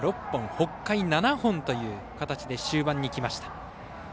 北海、７本という形で終盤にきました。